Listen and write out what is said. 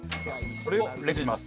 これをレンチンします。